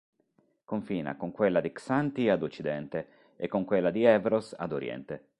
Confina con quella di Xanthi ad occidente e con quella di Evros ad oriente.